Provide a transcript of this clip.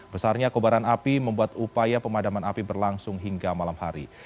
besarnya kobaran api membuat upaya pemadaman api berlangsung hingga malam hari